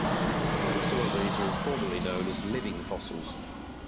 Some of these are informally known as "living fossils".